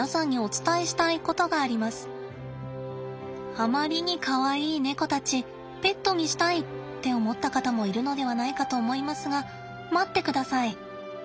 あまりにかわいいネコたち「ペットにしたい！」って思った方もいるのではないかと思いますが待ってください。